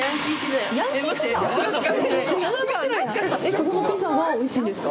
ここのピザがおいしいんですか？